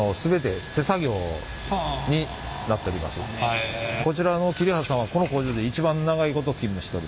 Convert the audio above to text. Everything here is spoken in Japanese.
コチラの桐原さんはこの工場で一番長いこと勤務しております。